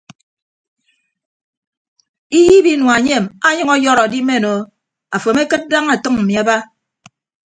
Iyiib inua enyem anyʌñ ọyọrọ adimen o afo amekịd daña atʌñ mmi aba.